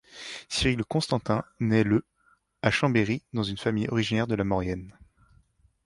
Cyril Constantin naît le à Chambéry dans une famille originaire de la Maurienne.